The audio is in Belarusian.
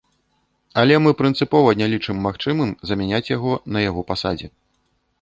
Але мы прынцыпова не лічым магчымым замяняць яго на яго пасадзе.